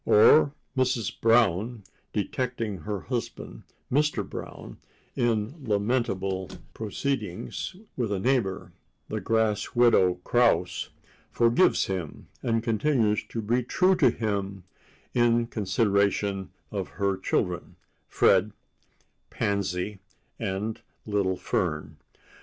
Or Mrs. Brown, detecting her husband, Mr. Brown, in lamentable proceedings with a neighbor, the grass widow Kraus, forgives him and continues to be true to him in consideration of her children, Fred, Pansy and Little Fern.